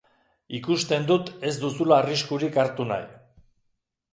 Ikusten dut ez duzula arriskurik hartu nahi.